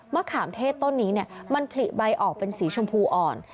ขามเทศต้นนี้มันผลิใบออกเป็นสีชมพูอ่อน